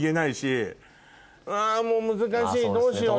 あもう難しいどうしよう。